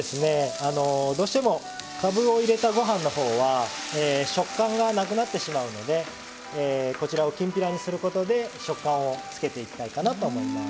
どうしてもかぶを入れたご飯のほうは食感がなくなってしまうのできんぴらにすることで食感をつけていきたいかなと思います。